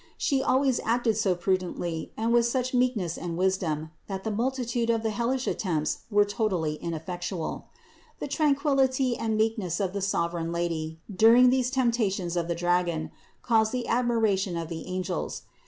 She always acted so prudently and with so much meekness and wisdom, that the multi tude of the hellish attempts were totally ineffectual. The tranquillity and meekness of the sovereign Lady during these temptations of the dragon caused the admiration of the angels.